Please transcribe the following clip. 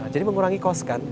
jadi mengurangi cost kan